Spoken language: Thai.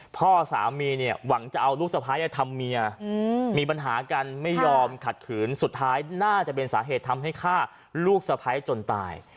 พ่อสามีเนี่ยหวังจะเอาลูกสะพ้ายทำเมียมีปัญหากันไม่ยอมขัดขืนสุดท้ายน่าจะเป็นสาเหตุทำให้ฆ่าลูกสะพ้ายจนตาย